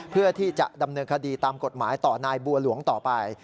เพื่อที่จะดำเนินคดีตามกฎหมายต่อนายบัวหลวงต่อไป